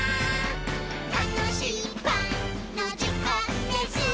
「たのしいパンのじかんです！」